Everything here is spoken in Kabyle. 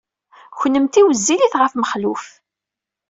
Kennemti wezzilit ɣef Mexluf.